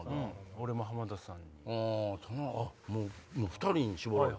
俺も浜田さん。